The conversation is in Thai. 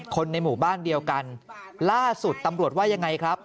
คนในหมู่บ้านเดียวกันล่าสุดตำรวจว่ายังไงครับ